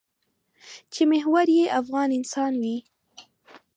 چې محور یې افغان انسان وي.